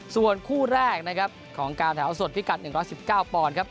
ส่วนคู่แรกนะครับของการแถวสดพิกัด๑๑๙ปอนด์ครับ